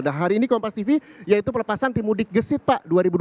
nah hari ini kompas tv yaitu pelepasan timudik gesit pak